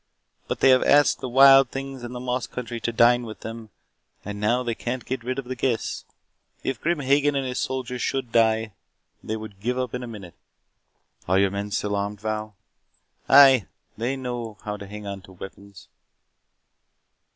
But they have asked the wild things of the moss country to dine with them, and now they can't get rid of their guests. If Grim Hagen and his soldiers should die, they would give up in a minute." "Are your men still armed, Val?" Odin asked. "Aye. They know to hang on to their weapons."